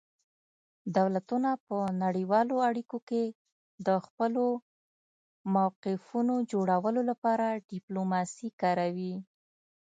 دولتونه په نړیوالو اړیکو کې د خپلو موقفونو جوړولو لپاره ډیپلوماسي کاروي